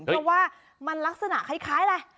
เพราะว่ามันลักษณะคล้ายอะไร